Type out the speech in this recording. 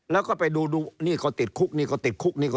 แล้วก็ไปดูติดคุกติดคุก